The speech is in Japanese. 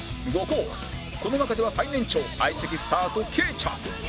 この中では最年長相席スタートケイちゃん